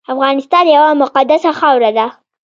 افغانستان یوه مقدسه خاوره ده